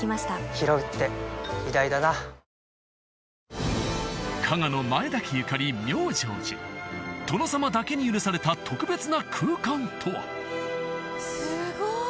ひろうって偉大だな加賀の殿様だけに許された特別な空間とはすごい。